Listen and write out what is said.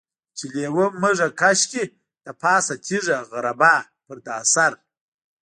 چې لېوه مږه کش کي دپاسه تيږه غربا په دا سر.